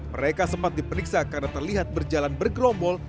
mereka sempat diperiksa karena terlihat berjalan bergerombol